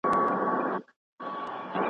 زه د شفتالو په خوړلو اخته یم.